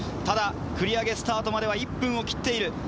ただ繰り上げスタートまでは１分を切っている。